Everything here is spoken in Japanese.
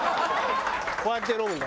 こうやって飲むんだ。